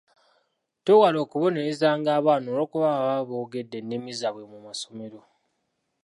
Twewale okubonerezanga abaana olwokuba baba boogedde ennimi zaabwe mu masomero.